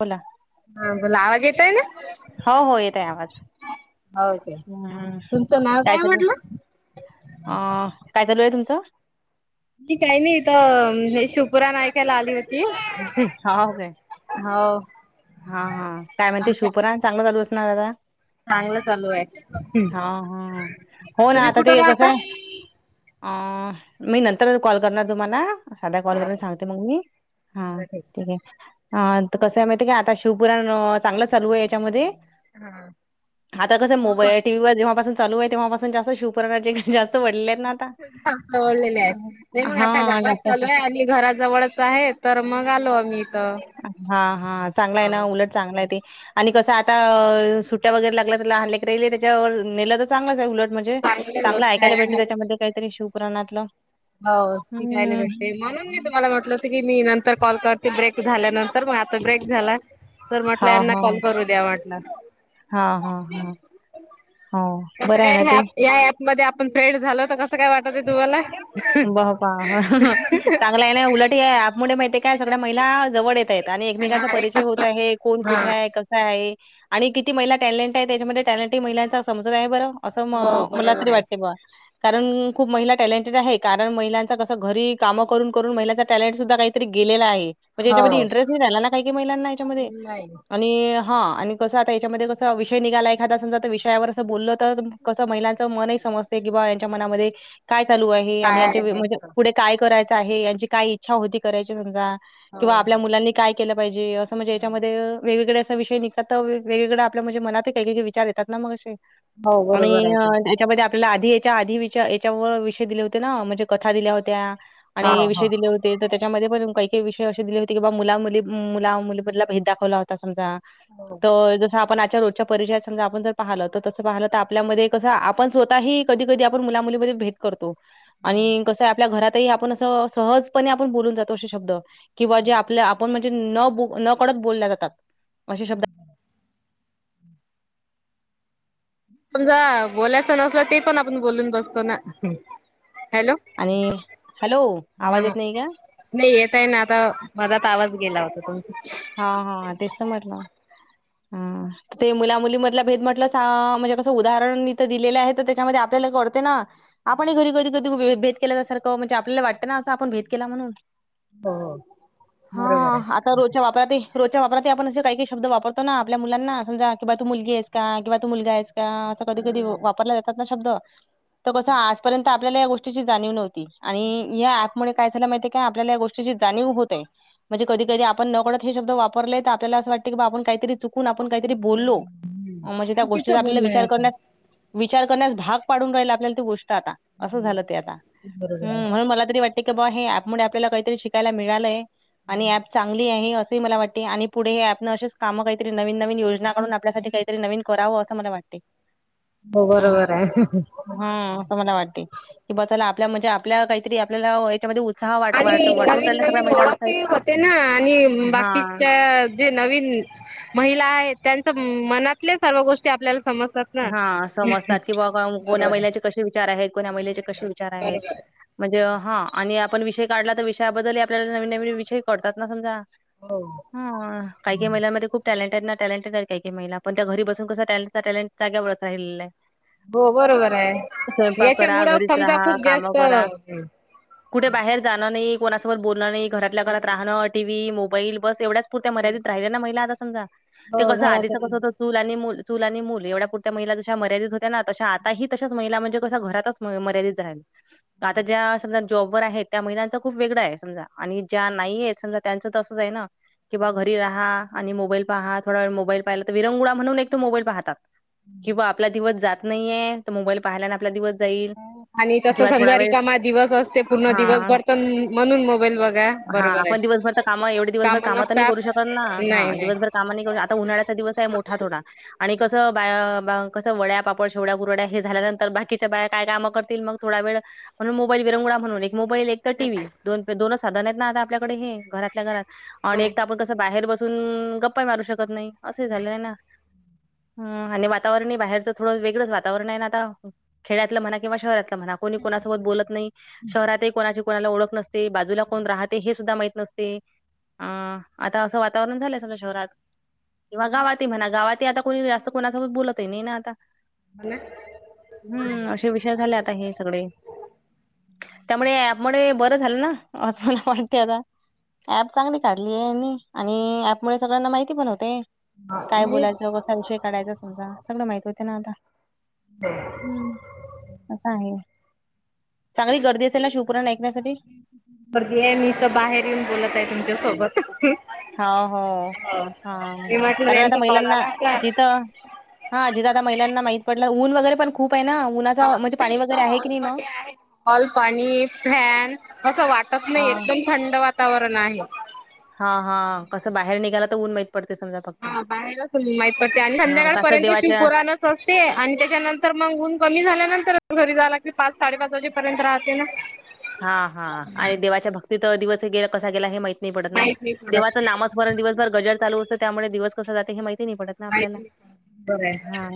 बोला. हा बोला आवाज येतोय ना? हो, हो येतय आवाज. हो काय. हम्म, काय झालं? अ काय चालू आहे तुमचं? काही नाही इथ, हे शिवपूराणन ऐकायला आली होती. हाव काय हाव हा, हा काय म्हणते शिवपुराण, चांगलं चालू असणार आता. चांगलं चालू आहे. हा, हा होना तुम्ही आता कुठं ते राहता? कसाय अ, मी नंतर कॉल करणार तुम्हाला साध्या कॉल वरून बरं सांगते मग मी, हां ठीक हाय, कसं आहे माहिती का आता शिवपुराण चांगलं चालूये याच्यामध्ये, आता कसं मोबाईल टीव्हीवर जेव्हापासून चालू हाय तेव्हा पासून जास्त शिवपुराणाचे जास्त वाढले आहेत ना आता दाखवलेले आहेत, नाही मग आता हा गावात जास्त चालू हाय आणि घराजवळच आहे, तर मग आलो आम्ही इथ. हा, हा चांगला हाय ना, उलट चांगल हाय ते आणि कसं आता, सुट्या वगैरे लागल्या तर लहानल्या लेकर राहिले त्याच्यावर नेलं तर चांगलंच हाय उलट म्हणजे. चांगली चांगलं गोष्ट आहे ऐकायला भेटंत आणि त्याच्यामध्ये काहीतरी शिव पुराणातलं. हो शिकायला भेटते, म्हणून मी तुम्हाला म्हटलं ठिकय मी नंतर कॉल करते ब्रेक झाल्यानंतर मग आता ब्रेक झालाय. तर हा म्हटलं यांना हा कॉल करू द्या म्हटलं. हा, हा, हा. हो कसं बरं आहे काय, ना ते ह्या ऍप मध्ये आपण फ्रेंड झालो तर कसं काय वाटतं तुम्हाला? ब, बा, हा हा. चांगला हाय ना उलट हे अँपमुळे माहितीय काय, सगळ्या महिला जवळ येत आहेत आणि एकमेकांचा परिचय होत आहे कोण कुठे आहे, कसा आहे आणि किती महिला टॅलेंट आहे त्याच्यामध्ये टॅलेंट ही महिलांचा समजत आहे बरं. असं म मला तरी वाटते बघा, कारण खूप महिला टॅलेंटेड आहेत. कारण महिलांचा कसं घरी कामं करून करून महिलांचा टॅलेंट सुद्धा काहीतरी गेलेला आहे. म्हणजे याच्यामध्ये इंटरेस्ट नाही झाला ना काही, काही महिलांना याच्यामध्ये. आणि हा आणि कसं आता याच्यामध्ये कस विषय निघाला एखादा समजा तर विषयावर असं बोलल तर कसं महिलांचं मनही समजते कि बा यांच्या मनामध्ये काय चालू आहे याच्या, म्हणजे पुढे काय करायचं आहे यांची काय इच्छा होती करायची समजा किंवा आपल्या मुलांनी काय केलं पाहिजे, असं म्हणजे याच्यामध्ये वेगवेगळे असा विषय निघ त्यात वेगळं वेगळं आपल्या म्हणजे मनात काही, काही विचार येतात ना मग असे. आणि हेच्यामध्ये आपल्याला आधी हेच्या आधी याच्यावर विषय दिले होते ना, म्हणजे कथा दिल्या होत्या आणि विषय दिले हो ते तर त्येच्यामध्ये पण काही काही विषय असे दिले होते की बा, मुला- मुली, मुला- मुली बदला भेद दाखवला होता समजा. हो तर, जसं आपण आजच्या रोजच्या परिचयात समजा आपण जर पाहिलं, तर तसं पाहिलं तर आपल्यामध्ये कसं आपण स्वतःही कधी, कधी आपण मुला- मुलीमध्ये भेद करतो. आणि कसं आपल्या घरातही आपण असं सहजपणे आपण बोलून जातो असे शब्द. किंवा जे आपल्या आपण म्हणजे न, न कडत बोलल्या जातात असे शब्द. समजा, बोलायचं नसल ते पण आपण बोलून बसतो ना. हॅलो! आणि हॅलो, आवाज येत नाही का? नाही येत आहे ना आता, माझाच आवाज गेला होता. तुमचा हा, हा तेच तर म्हटलं हा ते मुला- मुलीमधला भेद म्हटलं सा, म्हणजे कसं उदाहरण इथं दिलेलं आहे तर त्याच्यामध्ये आपल्याला कळते ना. आपणही घरी कधी, कधी भेद केल्याच सारखं म्हणजे आपल्याला वाटतं ना असं आपण भेद केला म्हणून. हा, आता रोज च्या वापरात ते रोजच्या वापरात ही आपण असे काही काही शब्द वापरतो ना, आपल्या मुलांना समजा कि बा तू मुलगी आहेस‌. का किंवा तू मुलगा आहेस का असं कधी कधी वापरला जातात ना शब्द. तर कसं आजपर्यंत आपल्याला या गोष्टीची जाणीव नव्हती आणि या ऍप मुळे काय झालं माहिती आपल्या या गोष्टीची जाणीव होते, म्हणजे कधी कधी आ पण नकळत हे शब्द वापले तर आपल्याला अस वाटतं की बा आपण काहीतरी चु चुकुण आपण काहीतरी बोललो म्हणजे त्या गोष्टीचा आपल्याला विचार करण्यास विचार करण्यास भाग पाडून राहिल आपल्याला ती गोष्ट आता. असं झालं ते आता, हम्म म्हणून मला तरी वाटत की बाबा हे अँपमुळे आपल्याला काहीतरी शिकायला मिळालंय. आणि या आणि असंही मला वाटते आणि पुढे हे अँप ने असेच काम काहीतरी नवीन नवीन योजना आपल्यासाठी काहीतरी नवीन करावं असं मला वाटते. हो बरोबर आहे. हम्म असं मला वाटते, की बा चला आपल्या म्हणजे आपल्या काहीतरी आपल्याला त्यांच्यामध्ये उत्साह वाट वाट वाटून राहिला सगळ्या महिला उत्साही ते ना आणि बाकीच्या जे नवीन महिला आहे त्यांच मनातले सर्व गोष्टी आपल्याला समजतात. ना. हा समजतात की बाबा कोण्या महिलाचे कसे विचार आहेत, कोण्या महिलेचे कसे विचार आहेत. म्हणजे हा आणि आपण विषय काढला तर विषयाबद्दलही आपल्याला नवीन नवीन विषय कळतात ना. समजा हो हो. ह काही काही महिलांमध्ये खूप टॅलेंट आहेत ना टॅलेंटेड आहेत काही काही महिला पण त्या घरी बसून कसा त्यांचा टॅलेंट जागेवर राहिलेल. हो बरोबर आहे, करा, याच्यामुळ घरीच समजा राहा, खूप कामं जास्त करा. कुठे बाहेर जाणं नाही कोणासोबत बोलणं नाही घरातल्या घरात राहणं टीव्ही, मोबाईल बस एवढ्याच पुरत्या मर्यादित राहिल्या ना महिला आता समजा ते कसं आधीच कस होतं चूल आणि मूल, चूल आणि मूल एवढा पुरत्या महिला जशा मर्यादेत होत्या ना तशा आता ही तशाच महिला म्हणजे कस घरातच मर्यादेत राहतात. आता ज्या समजा जॉबवर आहेत त्या महिलांचं खूप वेगळं आहे समजा आणि ज्या नाही आहेत समजा त्यांचं तर असंच ना. किंवा घरी राहा आणि मोबाईल पहा थोडावेळ मोबाईल पाहिला तर विरंगुळा म्हणून एकतर मोबाईल पाहतात. किंवा आपला दिवस जात नाहीये तर मोबाईल पाहाला ना आपला दिवस जाईल. आणि तस किंवा थोडा समजा वेळ रिकामा दिवस असते पूर्ण दिवसभर तर म्हणून मोबाईल बघा. हा बरोबर आहे आपण दिवसभर तर कामं एवढी दिवसभर कामं तर नाही करू शकत ना हा नाही नाही दिवसभर. काम नाही करू आता उन्हाळ्याचा दिवस आहे मोठा थोडा आणि कसं‌. कसं बाया बा कसं वड्या पापड शेवड्या कुरड्या हे झाल्यानंतर बाकीच्या बाया काय कामं करतील मग थोडा वेळ- म्हणून मोबाईल विरंगुळा म्हणून एक मोबाईल एक तर टीव्ही दोन दोनच साधन आहेत ना आता आपल्याकडे हे घरातल्या घरात. हो आणि एक तर हो आपण कसं बाहेर बसून गप्पा ही मारू शकत नाही, असे झालेलं ना. हमं आणि वातावरण ही बाहेरचं थोडं वेगळंच वातावरण आहे ना आता, खेड्यातलं म्हणा किंवा शहरातलं. आता म्हणा कोणी कोणासोबत बोलत नाही शहरात ही कोणाची. कोणाला ओळख नसते, बाजूला कोण राहते हे सुद्धा माहीत नसते. आ आता असं वातावरण झालंय सगळ्या शहरात. किंवा गावातही म्हणा गावातही आता कोणी जास्त कोणासोबत बोलतही नाही ना आता. ना हम्म असे विषय झाले आता हे सगळे. त्यामुळे ऍपमुळे बरं झालं ना असं मला वाटतंय आता. ऍप चांगली काढली आहे यांनी आणि ऍपमुळे सगळ्यांना माहिती पण होतंय. काय बोलायचं, कसा विषय काढायचा, समजा सगळं माहती होतेय ना आता. हो हम्म असं आहे, चांगली गर्दी असेल ना शिवपुराण ऐकण्यासाठी. बरी आहे मी इथं बाहेर येऊन बोलत आहे तुमच्यासोबत. हा हो हो हा मी म्हटलं कारण आता त्यांचा कॉल महिलांना आला होता जिथं हा जिथे आता महिलांना माहित पडलं ऊन वगैरे पण खूप ना उन्हाचा म्हणजे पाणी वगैरे. आहे की नाही मग? हॉलमध्ये आहे, हॉल पाणी फॅन असं वाटत नाही हां, एकदम थंड वातावरण आहे. हा हा कसं बाहेर निघाला तर ऊन माहित पडते समजा फ हा बाहेरच उभी आहे, माहीत पडते आणि कसं संध्याकाळपर्यंतच देवाच्या शिवपोरानं असते आणि त्याच्यानंतर मग ऊन कमी झाल्यानंतर घरी जायला लागते, पाच साडेपाच वाजेपर्यंत राहते ना. हा हा आणि देवाच्या भक्तीतीत दिवस गेला कसा गेला हे माहित नाही पडत ना देवाचं नामस. बरेच दिवसभर गजर चालू असते त्यामुळे दिवस कसा जाते हे माहिती ते नाही पडत ना आपल्याला हा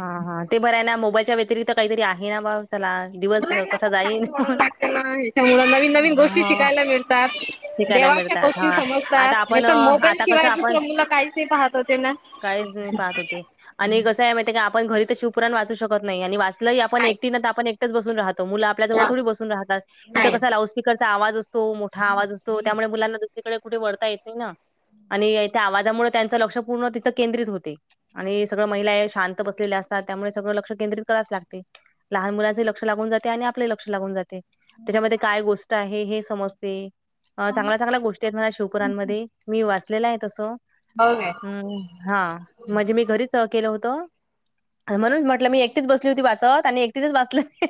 हा हा ते बरय ना मोबाईलच्या व्यतिरिक्त काहीतरी आहे ना मग चला दिवस कसा जाईल त्यामुळे नवीन नवीन गोष्टी शिकायला मिळतात शिकायला देवाच्या मिळतात. गोष्टी हां. समजतात. आता नाही आपण अ, तर मोबाईल आता कसं शिवाय आपण दुसरं मुलं काहीच नाय पाहत होते ना. काहीच नाही पाहत होते. आणि कसं आहे माहितीय का आपण घरी ते शिवपुराण वाचू शकत नाही आणि वाचलंही आपण एकटीने तर आपण एकटी इथंच बसून राहतो मुलं आपल्या जवळ थोडी बसून राहतात इथं कसं लाऊड स्पिकरचा आवाज असतो मोठा आवाज असतो त्यामुळे मुलांना दुसरीकडे कुठे वळता येत नाही ना. आणि त्या आवाजामुळे त्यांचं लक्ष पूर्ण तिथं केंद्रित होते आणि सगळं महिलाया शांत तिथं बसलेले असतात त्यामुळे सगळं लक्ष केंद्रित कराच लागते, लहान मुलांचे लक्ष लागून जाते आणि आपले लक्ष लागून जाते त्याच्यामध्ये काय गोष्ट आहे हे समजते अ चांगल्या चांगल्या गोष्टी ते ना शिवपुराणमध्ये मी वाचलेलं आहे तस नो वे [unintelligible] हम्म हा म्हणजे मी घरीच केलं होतं. म्हणून म्हटलं मी एकटीच बसली होती वाचत आणि एकटीचच वाचलं मी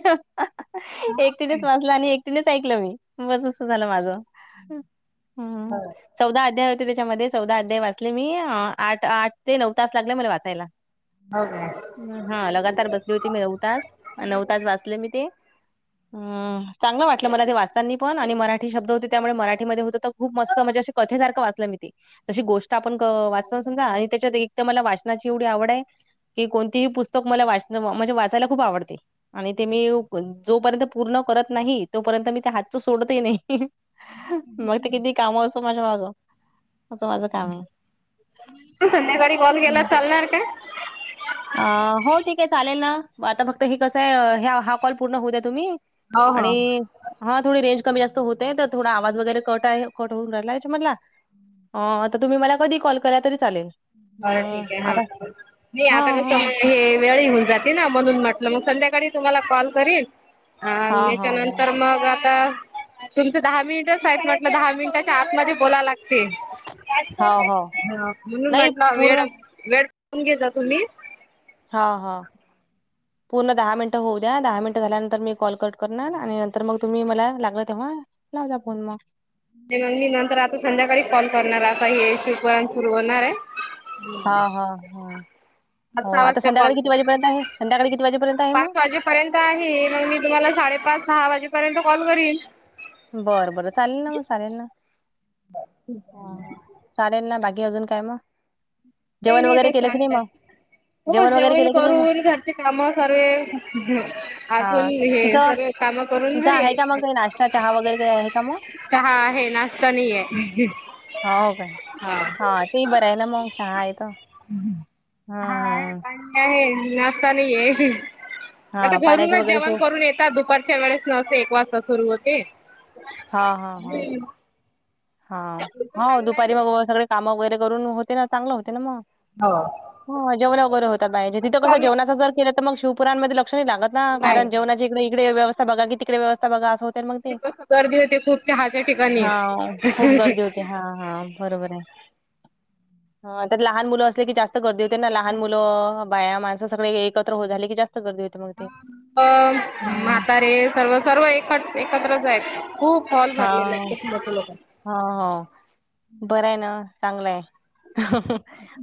एकटीनेच वाचलं आणि एकटीनेच ऐकलं मी बस असं झालं माझं. हम्. चौदा अध्याय होते त्याच्यामध्ये चौदा अध्याय वाचले मी आ आठ आठ ते नऊ तास लागले मला वाचायला. हा हा लगातार बसली होती मी नऊ तास नऊ तास वाचले मी ते. हम चांगलं वाटलं मला ते वाचतानी पण आणि मराठी शब्द होते त्यामुळे मराठीमध्ये होत तर खूप मस्त म्हणजे अशी कथे सारखं वाचलं मी ते जशी गोष्ट आपण क वाचतो समजा आणि त्याच्यात, एक तर मला वाचनाची एवढी आवड आहे. कि कोणतीही पुस्तक मला वाचणं म्हणजे वाचायला खूप आवडते. आणि ते मी जोपर्यंत पूर्ण करत नाही तोपर्यंत, मी ते हातच सोडतही नाही. मग ते किती काम असो, माझ्या माग असं माझं काम आहे. तू संध्याकाळी कॉल केला हं. चालणार का अ हो ठीक आहे चालेल ना, आता फक्त हे कसं आहे हा कॉल पूर्ण होऊ, द्या तुम्ही आणि हा थोडी रेंज कमी जास्त होतेय, तर थोडा आवाज वगैरे, कट आहे कट होऊन राहिला याच्या मदला अ आता तुम्ही मला कधी ही कॉल करा तरी चालेल. अ, बर ठीक, आहे आता हा- नाही आता हां, कसं हां. हे वेळ होऊन, जाते ना म्हणून म्हटलं मग संध्याकाळी तुम्हाला कॉल करीन. हा हां, हां, हां. त्याच्यानंतर, मग आता तुमचं दहा मिनिटच आहेत म्हटलं दहा मिनिटाच्या आतमध्ये बोलावे लागते. हो, हो. म्हणून नाही म्हटला वेळ, पूर्ण वेळून [unintelligible] घेता तुम्ही? हा हा. पूर्ण दहा मिनटं होऊ द्या. दहा मिनटं झाल्यानंतर, मी कॉल कट करणार. आणि नंतर मग, मला लागल तेव्हा लावता फोन मग. मी नंतर आता संध्याकाळी कॉल करणार, आता हे शिवपुरान सुरू होणार आहे. हा, हा, ह. हो, सहा आता वाजता संध्याकाळी कॉल किती करेन वाजेपर्यंत आहे? संध्याकाळी किती वाजेपर्यंत आहे मग? पर्यंत आहे, मग मी तुम्हाला साडेपाच, सहा वाजेपर्यंत कॉल करीन. बरं बरं, चालेल ना. मग चालेल ना. चालेल ना. बाकी अजून काय मग? काही जेवण नाही वगैरे त्यात केलं की नाही मग? चांगलं हो वगैरे जेवण केलं की नाही मग? करून, घरचे काम सर्वे, आजून हां. हे तिथं सर्व कामं करून तिथं घरी आहे का मग यायचं काही नाश्ता, चहा वगैरे? काही आहे का मग? चहा आहे, नाश्ता नाहीये. होव काय? हा, ते बरं आहे ना मग चहा आहेे तर. हा, हं, चहा आहे, हं. पाणी आहे, नाश्ता नाहीये. आता हां, पाण्याची घरूनच वगैरे जेवण सोय करून येतात. दुपारच्या वेळेस न एक वाजता सुरू होते. हा, हा, हा. हा, तुमचं हाव, चांगलं आहे दुपारी मग सगळे काम वगैरे करून होते ना, चांगलं होते ना मग. हा जेवल्यावर बरं होतात बाया, तिथं कसं जेवणाच जर केलं, तर मग शिवपुरांनमध्ये लक्ष नाही लागत. हा कारण जेवणाची इकडे इकडे व्यवस्था बघा की, तिकडे व्यवस्थ बघा अस होत ते कस गर्दी होते खूप चहाच्या ठिकाणी. हा बरोबर आहे, लहान मुलं असले की, जास्त गर्दी हो ते ना लहान मुलं, बाया माणसं सगळे एकत्र झाले की, जास्त गर्दी होते मग ते हो. म्हातारे सर्व सर्व एक एकत्रच आहेत. खूप हॉल हा भरलेला आहे, खूप मोठे लोकायेत. हा हं, बरय ना, चांगलंय.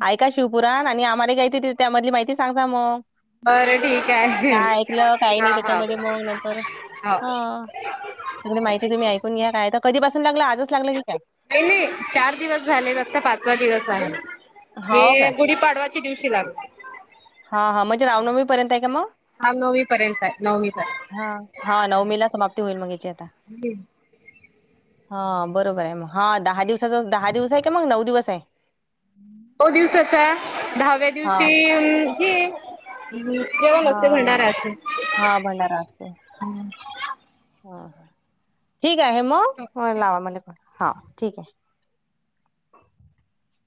ऐका शिव पुराण आणि आम्हाला गय त त्या मधली माहिती सांगा मग. बरं ठीक आहे काय ऐकलं, काही नाही हा हा त्याच्यामध्ये, मग नंतर हो. हा सगळी माहिती तुम्ही ऐकून घ्या, काय तर कधीपासून लागलं? आजच लागलं की काय? नाही नाही. चार दिवस झाले, आता पाचवा दिवस आहे. हे हो काय गुढीपाडवा च्या दिवशी लाग हा हा म्हणजे रावनवमीपर्यंत आहे का मग? हा नवमीपर्यंत. हा, हा नवमीला समाप्ती होईल, मग याची आता. हा बरोबर आहे मग. हा दहा दिवसाचा, दहा दिवस आहे की, मग नऊ दिवस आहे? [unintelligible] दिवसाचा, दहाव्या हा दिवशी अं हे जेवणं असते हा भंडारा असतो. हा भंडारा असते. हा, ठीक आहे मग. लावा मला फोन. हा, ठीक आहे.